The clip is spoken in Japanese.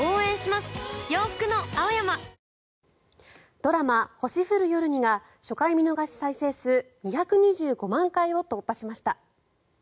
ドラマ「星降る夜に」が初回見逃し再生数２２５万回を突破しました。